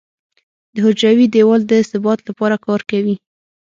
د حجروي دیوال د ثبات لپاره کار کوي.